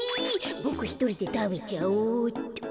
ボクひとりでたべちゃおうっと。